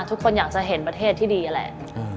ทุกคนอยากจะเห็นประเทศที่ดีนั่นแหละ